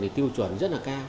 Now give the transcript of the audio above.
thì tiêu chuẩn rất là cao